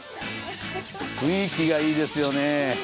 雰囲気がいいですよね。